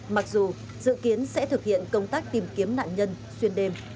mặc dù dự kiến sẽ thực hiện công tác tìm kiếm nạn nhân xuyên đêm